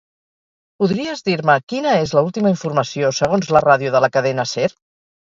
Podries dir-me quina és l'última informació segons la ràdio de la "Cadena Ser"?